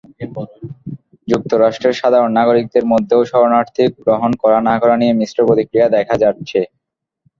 যুক্তরাষ্ট্রের সাধারণ নাগরিকদের মধ্যেও শরণার্থী গ্রহণ করা-না করা নিয়ে মিশ্র প্রতিক্রিয়া দেখা যাচ্ছে।